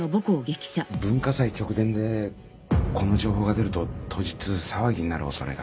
文化祭直前でこの情報が出ると当日騒ぎになる恐れが。